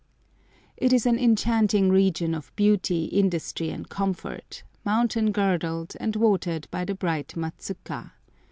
It is an enchanting region of beauty, industry, and comfort, mountain girdled, and watered by the bright Matsuka.